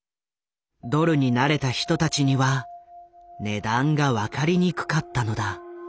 ドルになれた人たちには値段が分かりにくかったのだ。